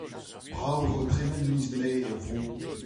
Brav e vo tremen miz Mae er vro.